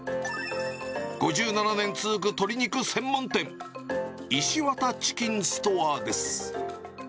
５７年続く鶏肉専門店、石渡チキンストアーです。